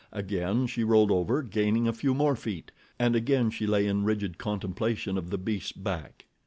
Again she rolled over, gaining a few more feet and again she lay in rigid contemplation of the beast's back.